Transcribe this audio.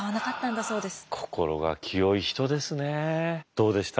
どうでした？